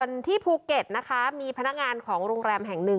ส่วนที่ภูเก็ตนะคะมีพนักงานของโรงแรมแห่งหนึ่ง